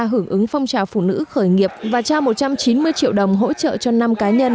hưởng ứng phong trào phụ nữ khởi nghiệp và trao một trăm chín mươi triệu đồng hỗ trợ cho năm cá nhân